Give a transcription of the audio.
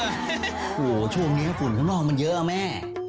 โอ้โหช่วงนี้ฝุ่นข้างนอกมันเยอะนะแม่